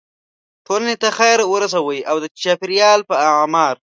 ټولنې ته خیر ورسوو او د چاپیریال په اعمار.